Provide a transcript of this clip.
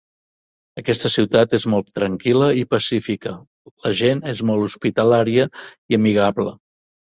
Aquesta ciutat és molt tranquil·la i pacífica, la gent és molt hospitalària i amigable.